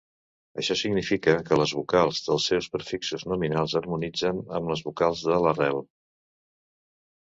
Això significa que les vocals dels seus prefixos nominals harmonitzen amb les vocals de l'arrel.